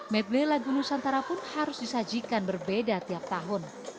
medley lagu nusantara pun harus disajikan berbeda tiap tahun